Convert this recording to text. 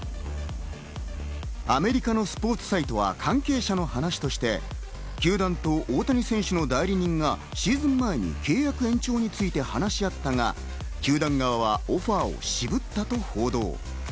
アメリカのスポーツサイトは関係者の話として球団と大谷選手の代理人がシーズン前に契約延長について話し合ったが、球団側はオファーを渋ったと報道。